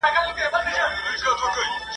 چي د زاغ په حواله سول د سروګلو درمندونه !.